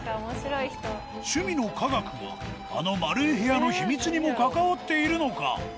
趣味の科学があの丸い部屋の秘密にも関わっているのか？